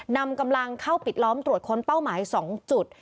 นำกำลังเข้าปิดล้อมตรวจค้นเป้าหมาย๒จุด